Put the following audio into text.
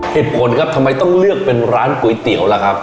เหตุผลครับทำไมต้องเลือกเป็นร้านก๋วยเตี๋ยวล่ะครับ